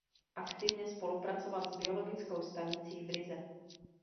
Aktivně spolupracoval s biologickou stanicí v Rize.